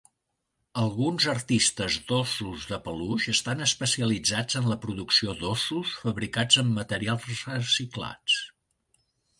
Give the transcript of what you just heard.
Alguns artistes d'ossos de peluix estan especialitzats en la producció d'ossos fabricats amb materials reciclats.